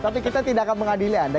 tapi kita tidak akan mengadili anda